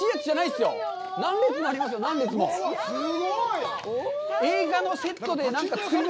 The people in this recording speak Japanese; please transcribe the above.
すごい。